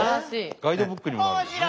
ガイドブックにもなるんですね。